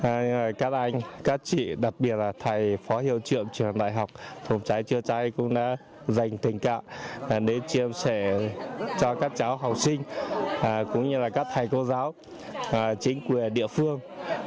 các anh các chị đặc biệt là thầy phó hiệu trưởng trường đại học phòng cháy chữa cháy cũng đã dành tình cảm để chia sẻ cho các cháu học sinh cũng như là các thầy cô giáo chính quyền địa phương